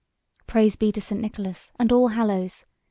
Praise be to St. Nicholas and all Hallows!